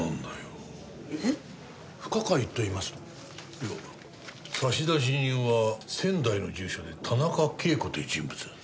いや差出人は仙台の住所で田中啓子という人物。